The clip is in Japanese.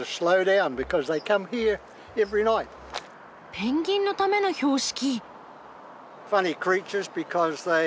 ペンギンのための標識！